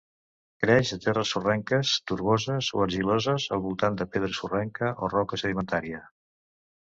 Creix a terres sorrenques, torboses o argiloses al voltant de pedra sorrenca o roca sedimentària.